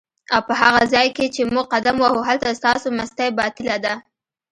اوپه هغه ځای کی چی موږ قدم وهو هلته ستاسو مستی باطیله ده